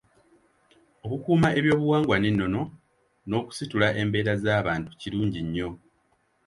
Okukuuma ebyobuwangwa n’ennono n'okusitula embeera z’abantu kirungi nnyo.